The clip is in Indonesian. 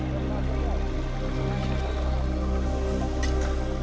doa dari mereka yang kita oxfamub